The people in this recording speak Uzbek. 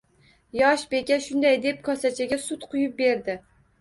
Yosh beka shunday deb kosachaga sut quyib berdi